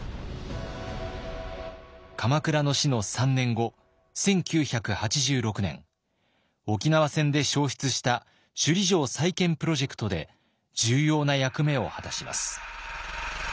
鎌倉の死の３年後１９８６年沖縄戦で焼失した首里城再建プロジェクトで重要な役目を果たします。